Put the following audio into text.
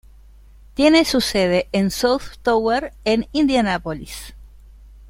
Tiene su sede en el South Tower en Indianápolis.